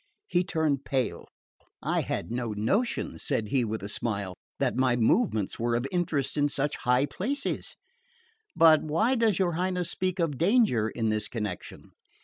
He turned pale. "I had no notion," said he, with a smile, "that my movements were of interest in such high places; but why does your Highness speak of danger in this connection?"